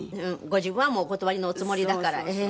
ご自分はもうお断りのおつもりだから。